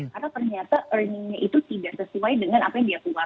karena ternyata earningnya itu tidak sesuai dengan apa yang dia perlukan